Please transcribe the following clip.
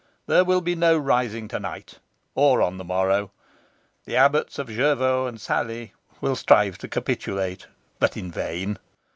There will be no rising to night or on the morrow. The abbots of Jervaux and Salley will strive to capitulate, but in vain.